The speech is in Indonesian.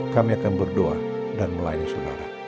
kami akan berdoa dan melayani saudara